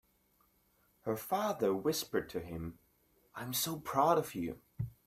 Her father whispered to him, "I am so proud of you!"